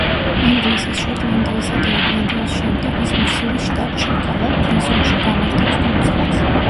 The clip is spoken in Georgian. ინგლისის, შოტლანდიისა და ირლანდიის შემდეგ ის მისურის შტატში, ქალა ბრენსონში გამართავს კონცერტს.